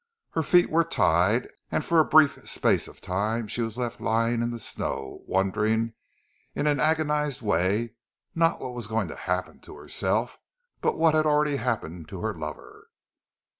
Her feet were tied, and for a brief space of time she was left lying in the snow, wondering in an agonized way, not what was going to happen to herself, but what had already happened to her lover.